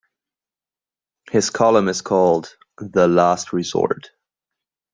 His column is called "The Last Resort".